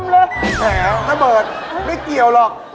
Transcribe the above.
แล้วระเบิดไม่เกี่ยวหรอก